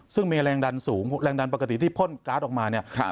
ซึ่งมีแรงดันสูงแรงดันปกติที่พ่นการ์ดออกมาเนี่ย